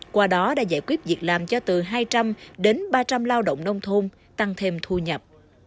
qua đó đã giải quyết việc làm cho từ hai trăm linh đến ba trăm linh lao động nông thôn tăng thêm thu nhập